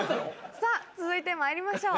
さぁ続いてまいりましょう。